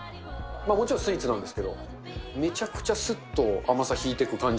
もちろんスイーツなんですけれども、めちゃくちゃすっと甘さ引いてく感じ。